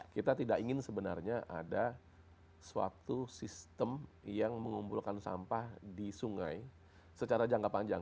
kita tidak ingin sebenarnya ada suatu sistem yang mengumpulkan sampah di sungai secara jangka panjang